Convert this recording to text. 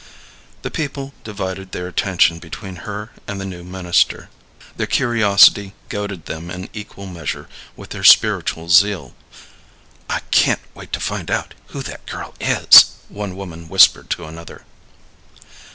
The people divided their attention between her and the new minister. Their curiosity goaded them in equal measure with their spiritual zeal. "I can't wait to find out who that girl is," one woman whispered to another.